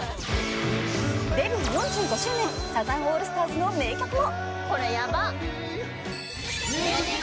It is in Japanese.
デビュー４５周年サザンオールスターズの名曲も。